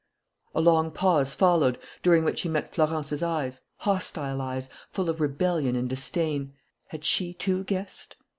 A long pause followed, during which he met Florence's eyes, hostile eyes, full of rebellion and disdain. Had she, too, guessed?